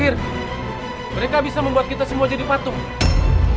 kita bisa membuat kita semua jadi patung